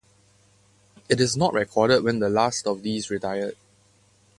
It is not recorded when the last of these retired.